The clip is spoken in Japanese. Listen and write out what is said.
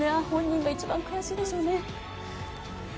本人が一番悔しいでしょうね。